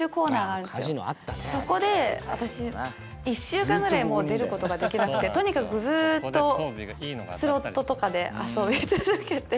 そこで、私、１週間ぐらい出る事ができなくてとにかく、ずっとスロットとかで遊び続けて。